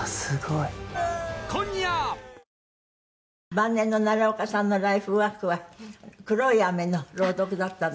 晩年の奈良岡さんのライフワークは『黒い雨』の朗読だったんですって？